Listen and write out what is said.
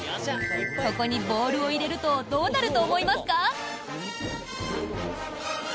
ここにボールを入れるとどうなると思いますか？